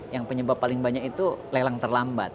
yang penyebab paling banyak itu lelang terlambat